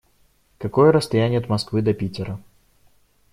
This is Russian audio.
Какое расстояние от Москвы до Питера?